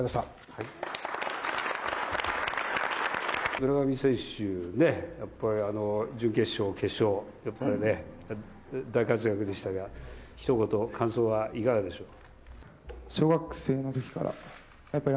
村上選手、やっぱり準決勝、決勝、大活躍でしたが、一言、感想はいかかでしょう？